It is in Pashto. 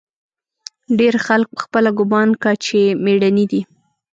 ډېر خلق پخپله ګومان کا چې مېړني دي.